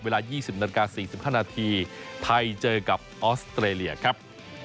เวลา๒๐นาฬิกา๔๕นาทีไทยเจอกับออสเตรเลียครับ